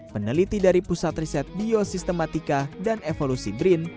peneliti dari pusat riset biosistematika dan evolusi brin